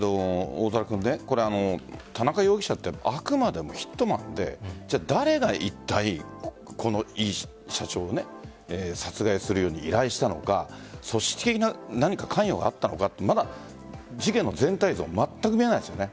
田中容疑者ってあくまでもヒットマンで誰がいったいこの社長を殺害するように依頼したのか組織的な関与があったのかってまだ事件の全体像がまったく見えないですね。